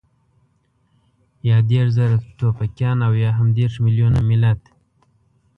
يا دېرش زره ټوپکيان او يا هم دېرش مېليونه ملت.